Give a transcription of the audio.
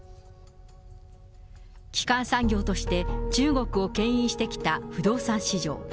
基幹産業として、中国をけん引してきた不動産市場。